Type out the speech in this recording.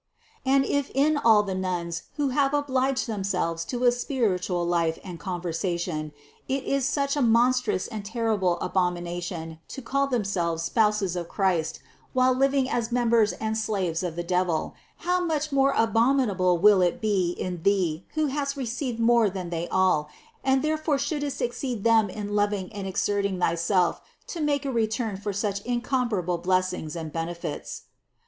And if in all the nuns who have obliged themselves to a spiritual life and conversation, it is such a monstrous and terrible abomination to call themselves spouses of Christ, while living as members and slaves of the devil, how much more abominable will it be in thee, who hast received more than they all, and therefore shouldst exceed them in loving and exerting thyself to make a return for such incomparable blessings and benefits.